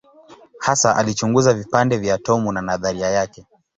Hasa alichunguza vipande vya atomu na nadharia yake.